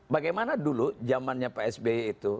bagaimana dulu jamannya psbi itu